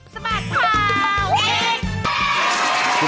สมัครข่าวอีก